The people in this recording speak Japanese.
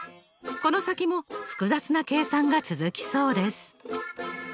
この先も複雑な計算が続きそうです。